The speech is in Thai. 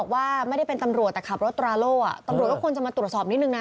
ว่าไม่ได้เป็นตำรวจแต่ขับรถตราโล่อ่ะตำรวจก็ควรจะมาตรวจสอบนิดนึงนะ